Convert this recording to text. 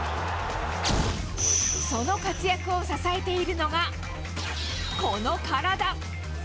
その活躍を支えているのが、この体。